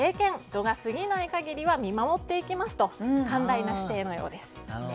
度が過ぎない限りは見守っていきますと寛大な姿勢のようです。